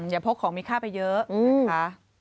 พกของมีค่าไปเยอะนะคะ